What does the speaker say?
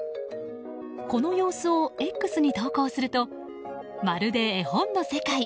この様子をＸに投稿するとまるで絵本の世界。